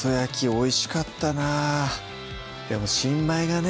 おいしかったなでも新米がね